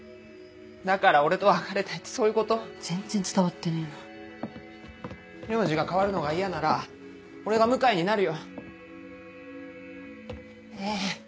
だから俺と別れたいってそういうこと全然伝わってねえな名字が変わるのが嫌なら俺が向井になるよねぇ！